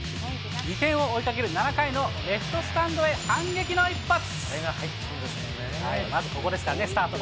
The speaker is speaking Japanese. ２点を追いかける７回のレフトスタンドへ、反撃の一発。